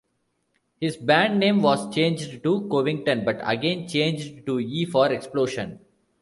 His band's name was changed to Covington but again changed to E For Explosion.